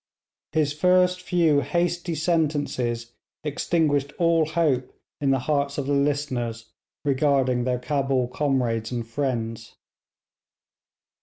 His first few hasty sentences extinguished all hope in the hearts of the listeners regarding their Cabul comrades and friends.